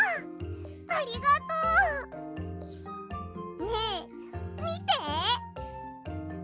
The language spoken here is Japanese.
ありがとう！ねえみて！